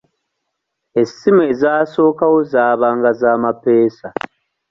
Essimu ezasookawo zaabanga za mapeesa.